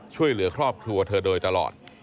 ช่วยเหลือครอบครัวเธอโดยตลอด